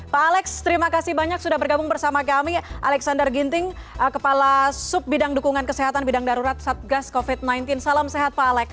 pak alex terima kasih banyak sudah bergabung bersama kami alexander ginting kepala sub bidang dukungan kesehatan bidang darurat satgas covid sembilan belas salam sehat pak alex